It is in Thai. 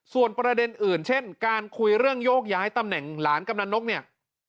ส่วนประเด็นอื่นเช่นการคุยเรื่องโยกย้ายตำแหน่งหลานกำนันนกเนี่ย